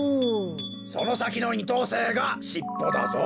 そのさきの２とうせいがしっぽだぞ！